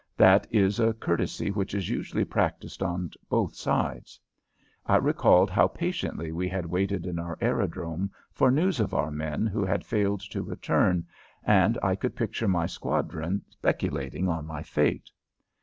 That is a courtesy which is usually practised on both sides. I recalled how patiently we had waited in our aerodrome for news of our men who had failed to return, and I could picture my squadron speculating on my fate.